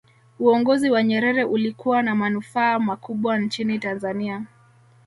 uongozi wa nyerere ulikuwa na manufaa makubwa nchini tanzania